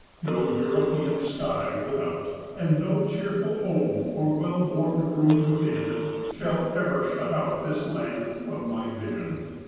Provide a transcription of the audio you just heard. No European sky without, and no cheerful home or well warmed room within, shall ever shut out this land from my vision.